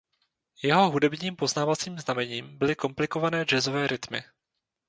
Jeho hudebním poznávacím znamením byly komplikované jazzové rytmy.